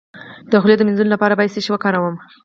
د خولې د مینځلو لپاره باید څه شی وکاروم؟